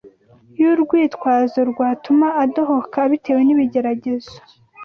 y’urwitwazo rwatuma adohoka abitewe n’ibigeragezo;